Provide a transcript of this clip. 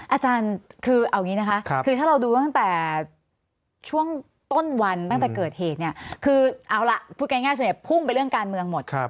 อาจารย์คือเอาอย่างนี้นะคะคือถ้าเราดูตั้งแต่ช่วงต้นวันตั้งแต่เกิดเหตุเนี่ยคือเอาล่ะพูดง่ายส่วนใหญ่พุ่งไปเรื่องการเมืองหมด